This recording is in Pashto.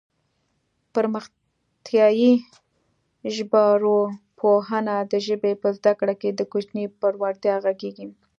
پرمختیایي ژبارواپوهنه د ژبې په زده کړه کې د کوچني پر وړتیا غږېږي